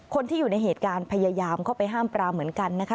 คนที่อยู่ในเหตุการณ์พยายามเข้าไปห้ามปรามเหมือนกันนะคะ